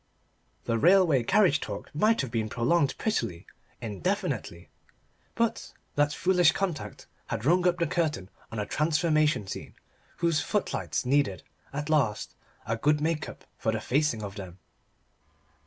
The railway carriage talk might have been prolonged prettily, indefinitely. But that foolish contact had rung up the curtain on a transformation scene, whose footlights needed, at least, a good make up for the facing of them.